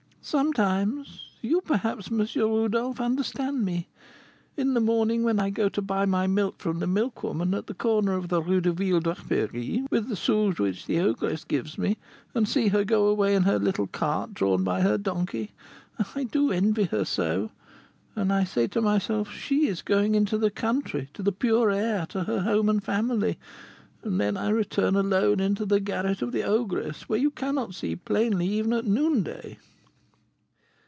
"Sometimes. You, perhaps, M. Rodolph, understand me. In the morning, when I go to buy my milk from the milkwoman at the corner of Rue de la Vieille Draperie, with the sous which the ogress gives me, and see her go away in her little cart drawn by her donkey, I do envy her so, and I say to myself, 'She is going into the country, to the pure air, to her home and her family;' and then I return alone into the garret of the ogress, where you cannot see plainly even at noonday."